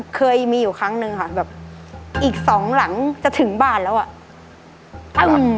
เคยมีอยู่ครั้งนึงอีกสองหลังจะถึงบ้านแล้ว